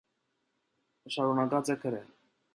Շարունակած է գրել։